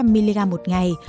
bốn trăm linh mg một ngày